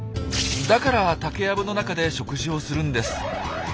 だから竹やぶの中で食事をするんです。